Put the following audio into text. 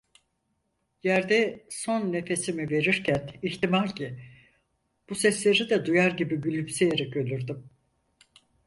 Yerde son nefesimi verirken ihtimal ki, bu sesleri de duyar ve gülümseyerek ölürdüm.